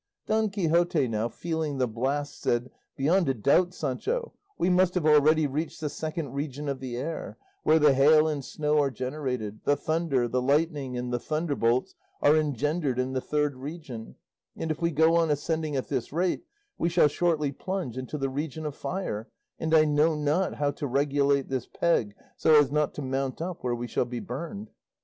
Don Quixote now, feeling the blast, said, "Beyond a doubt, Sancho, we must have already reached the second region of the air, where the hail and snow are generated; the thunder, the lightning, and the thunderbolts are engendered in the third region, and if we go on ascending at this rate, we shall shortly plunge into the region of fire, and I know not how to regulate this peg, so as not to mount up where we shall be burned."